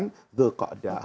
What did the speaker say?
nanti selesai ibadah haji